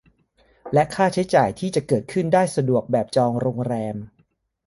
และค่าใช้จ่ายที่จะเกิดขึ้นได้สะดวกแบบจองโรงแรม